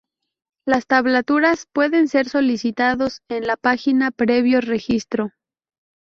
Las tablaturas pueden ser solicitados en la página, previo registro.